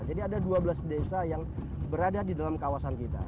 jadi ada dua belas desa yang berada di dalam kawasan kita